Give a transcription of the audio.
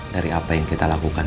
dari apa yang kita lakukan